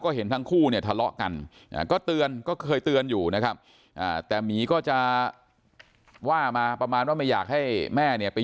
เขาจะให้หนูไปอยู่ด้วยแต่หนูไม่ได้ไป